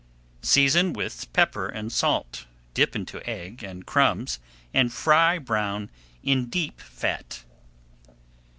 Season with pepper and salt, dip into egg and crumbs and fry brown in deep fat.